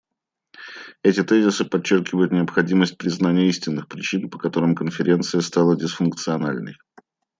Эти тезисы подчеркивают необходимость признания истинных причин, по которым Конференция стала дисфункциональной.